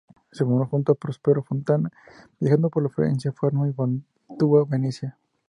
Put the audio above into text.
Se formó junto a Prospero Fontana, viajando por Florencia, Parma, Mantua y Venecia.